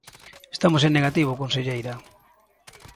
Estamos en negativo, conselleira.